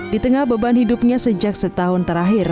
di tengah beban hidupnya sejak setahun terakhir